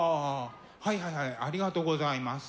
はいはいはいありがとうございます。